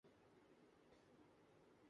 کوئی نقصان کر بیٹھیں گے